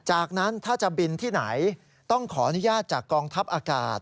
จากนั้นถ้าจะบินที่ไหนต้องขออนุญาตจากกองทัพอากาศ